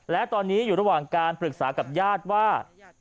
และตอนนี้อยู่ระหว่างการปรึกษากับญาติว่า